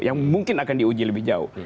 yang mungkin akan diuji lebih jauh